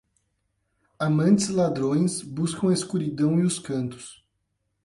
Amantes e ladrões buscam a escuridão e os cantos.